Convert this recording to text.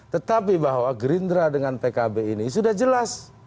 tetapi bahwa gerindra dengan pkb ini sudah jelas